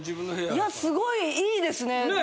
いやすごいいいですね。